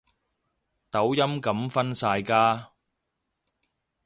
抖音噉分晒家